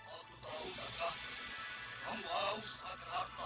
aku tahu daka kamu harus haker harta